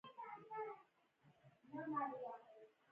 د امریکا لویه وچه کې د نا انډولۍ عوامل کوم دي.